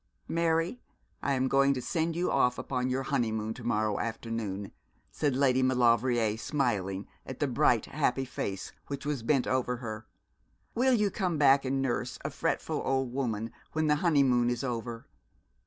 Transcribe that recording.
'Mary, I am going to send you off upon your honeymoon to morrow afternoon,' said Lady Maulevrier, smiling at the bright, happy face which was bent over her. 'Will you come back and nurse a fretful old woman when the honeymoon is over?'